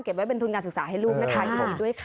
เก็บไว้เป็นทุนการศึกษาให้ลูกนะคะอยู่ด้วยค่ะ